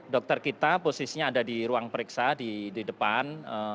dokter kita posisinya ada di ruang periksa di depan